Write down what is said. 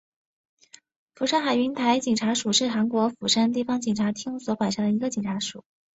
釜山海云台警察署是韩国釜山地方警察厅所管辖的一个警察署。